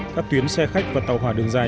các tuyến xe khách và tàu hỏa đường dài